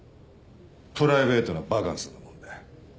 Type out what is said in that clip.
プライベートなバカンスなもので。